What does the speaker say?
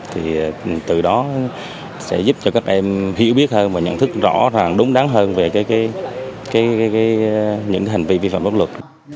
thì từ đó sẽ giúp cho các em hiểu biết hơn và nhận thức rõ ràng đúng đắn hơn về những hành vi vi phạm pháp luật